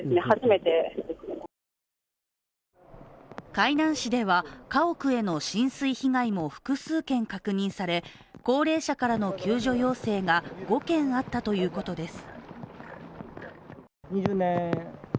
海南市では家屋への浸水被害も複数件確認され高齢者からの救助要請が５件あったということです。